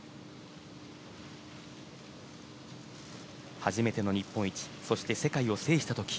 初めての日本一そして世界を制した時。